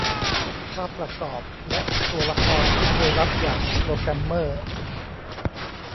ภาพประกอบ และตัวละครที่เคยลับอย่างโปรแกรมเมอร์